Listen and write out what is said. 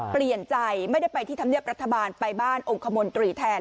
เปลี่ยนใจไม่ได้ไปที่ธรรมเนียบรัฐบาลไปบ้านองคมนตรีแทน